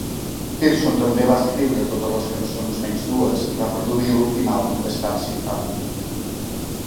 Pilson també va escriure totes les cançons menys dues i va produir l'últim àlbum de Starship amb